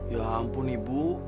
ya ampun ibu